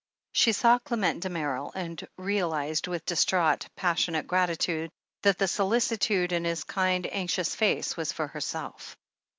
She saw Clement Damerel, and realized with dis traught, passionate gratitude that the solicitude in his kind, anxious face was for herself.